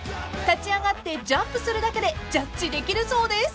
［立ち上がってジャンプするだけでジャッジできるそうです］